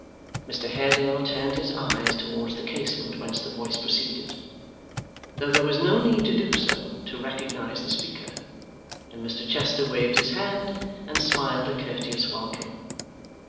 Mr Haredale turned his eyes towards the casement whence the voice proceeded, though there was no need to do so, to recognise the speaker, and Mr Chester waved his hand, and smiled a courteous welcome.